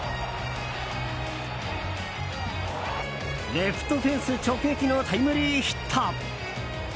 レフトフェンス直撃のタイムリーヒット！